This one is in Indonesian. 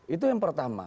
itu yang pertama